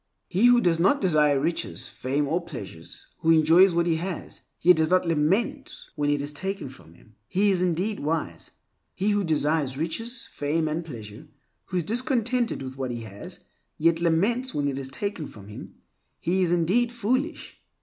He who does not desire riches, fame, or pleasures; who enjoys what he has, yet does not lament when it is taken from him, he is indeed wise. He who desires riches, fame, and pleasure; who is discontented with what he has, yet laments when it is taken from him, he is indeed foolish.